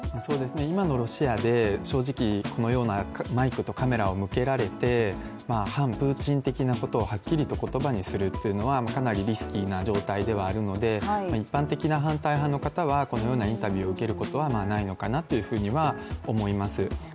今のロシアで正直、このようなマイクとカメラを向けられて反プーチン的なことをはっきりと言葉にするというのはかなりリスキーな状態ではあるので一般的な反対派の方はこのようなインタビューを受けることはないのかなとは思います。